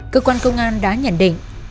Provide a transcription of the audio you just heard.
cơ quan công an đã nhận định